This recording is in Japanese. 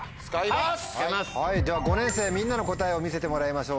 ５年生みんなの答えを見せてもらいましょう。